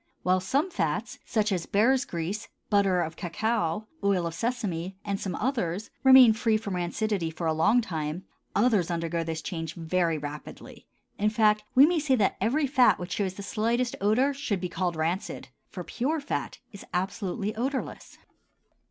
While some fats, such as bear's grease, butter of cacao, oil of sesame, and some others, remain free from rancidity for a long time, others undergo this change very rapidly; in fact, we may say that every fat which shows the slightest odor should be called rancid, for pure fat is absolutely odorless.